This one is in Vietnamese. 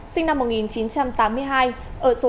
sinh năm một nghìn chín trăm tám mươi hai ở số một